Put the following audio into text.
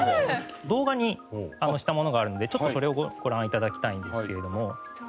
動画にしたものがあるのでちょっとそれをご覧いただきたいんですけれども。